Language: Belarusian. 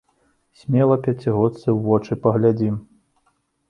Смела пяцігодцы ў вочы паглядзім.